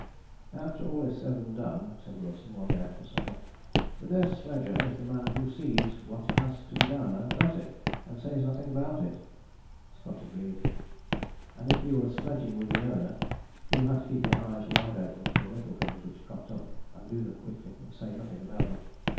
"After all is said and done," said Wilson one day after supper, "the best sledger is the man who sees what has to be done, and does it and says nothing about it." Scott agreed. And if you were "sledging with the Owner" you had to keep your eyes wide open for the little things which cropped up, and do them quickly, and say nothing about them.